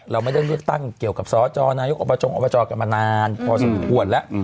เราไม่ได้เลือกตั้งเกี่ยวกับสจนายกอบจงอบจกันมานานพอสมควรแล้ว